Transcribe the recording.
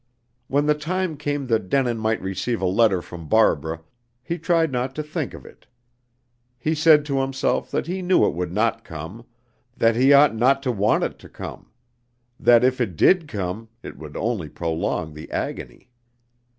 When the time came that Denin might receive a letter from Barbara, he tried not to think of it. He said to himself that he knew it would not come, that he ought not to want it to come, that if it did come, it would only prolong the agony.